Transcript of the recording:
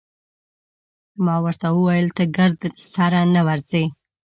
ما ورته وویل: ته ګرد سره نه ورځې؟